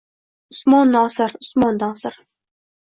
Usmon Nosir, Usmon Nosir.